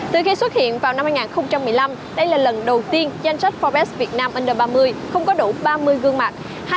từ khi xuất hiện vào năm hai nghìn một mươi năm đây là lần đầu tiên danh sách forbes việt nam ind ba mươi không có đủ ba mươi gương mặt